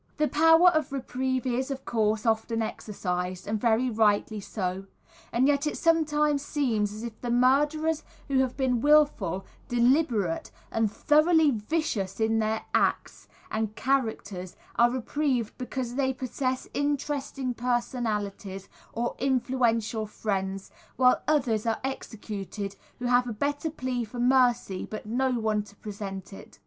The power of reprieve is, of course, often exercised, and very rightly so, and yet it sometimes seems as if murderers who have been wilful, deliberate and thoroughly vicious in their acts and characters are reprieved because they possess interesting personalities or influential friends, while others are executed who have a better plea for mercy, but no one to present it.